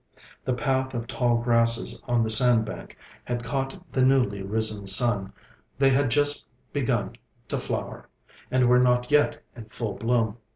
The path of tall grasses on the sandbank had caught the newly risen sun; they had just begun to flower, and were not yet in full bloom.